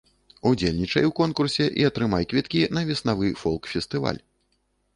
Удзельнічай у конкурсе і атрымай квіткі на веснавы фолк-фестываль.